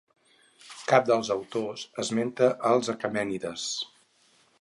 Cap dels autors esmenta als aquemènides.